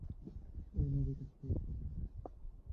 এই নদী দেখতে এসেছি।